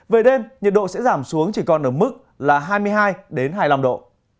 về đêm nhiệt độ sẽ giảm xuống chỉ còn ở mức là hai mươi hai hai mươi năm độ